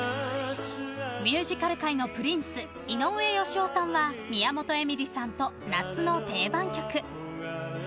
ミュージカル界のプリンス井上芳雄さんは宮本笑里さんと夏の定番曲。